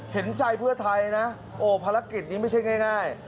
เห็นใจเพื่อไทยนะโอ้ภารกิจนี้ไม่ใช่ง่าย